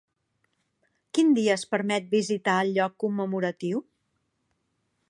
Quin dia es permet visitar el lloc commemoratiu?